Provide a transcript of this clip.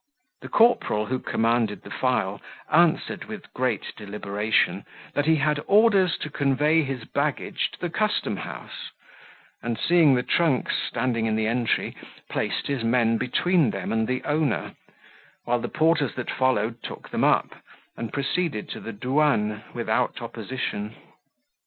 The corporal who commanded the file answered, with great deliberation, that he had orders to convey his baggage to the custom house; and seeing the trunks standing in the entry, placed his men between them and the owner, while the porters that followed took them up, and proceeded to the douane without opposition.